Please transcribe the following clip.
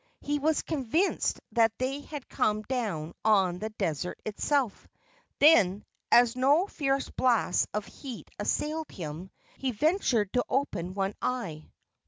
He was convinced that they had come down on the desert itself. Then, as no fierce blasts of heat assailed him, he ventured to open one eye.